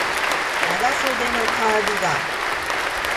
長袖のカーディガン